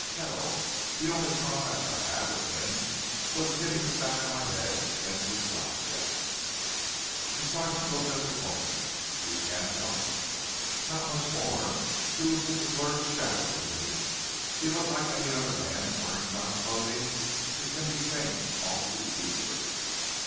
Hell, the only contact I had with him was hitting the back of my head against his blackjack." The sergeant looked at the woman. "You can't help?" "Not much more. He was just a blurred shadow to me, he looked like any other man wearing dark clothing which can be changed all too easily."